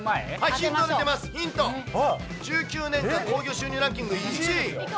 ヒント出てます、ヒント、１９年間興行収入ランキング１位。